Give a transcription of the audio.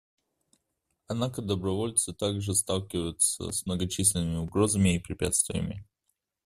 Однако добровольцы также сталкиваются с многочисленными угрозами и препятствиями.